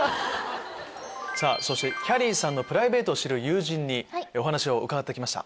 さぁそしてきゃりーさんのプライベートを知る友人にお話を伺って来ました。